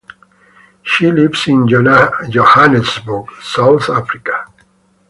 She lives in Johannesburg, South Africa.